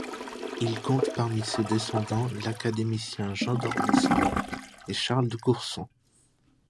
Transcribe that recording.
Il compte parmi ses descendants l’académicien Jean d'Ormesson et Charles de Courson.